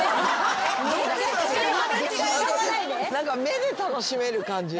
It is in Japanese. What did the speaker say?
目で楽しめる感じ。